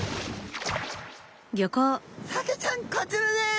サケちゃんこちらです。